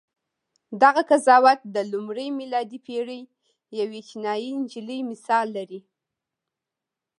دغه قضاوت د لومړۍ میلادي پېړۍ یوې چینایي نجلۍ مثال لري.